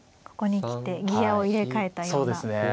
ここにきてギアを入れ替えたような感じですね。